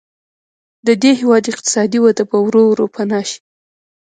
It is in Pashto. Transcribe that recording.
د دې هېواد اقتصادي وده به ورو ورو پناه شي.